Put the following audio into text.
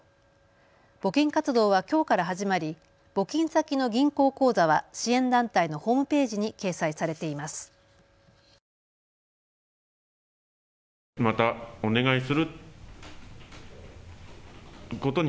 募金活動はきょうから始まり募金先の銀行口座は支援団体のホームページに掲載されています。